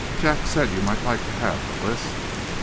Jack said you might like to have the list.